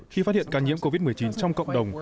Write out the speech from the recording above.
khi phát hiện ca nhiễm covid một mươi chín trong cộng đồng